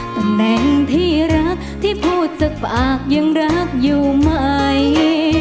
ตำแหน่งที่รักที่พูดจากปากยังรักอยู่ไหม